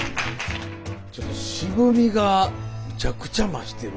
ちょっと渋みがむちゃくちゃ増してる。